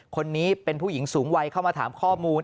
คนนี้เป็นผู้หญิงสูงวัยเข้ามาถามข้อมูล